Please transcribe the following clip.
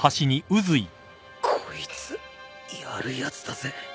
こいつやるやつだぜ